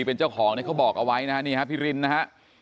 เป็นเจ้าของเนี่ยเขาบอกเอาไว้นะฮะนี่ฮะพี่รินนะฮะ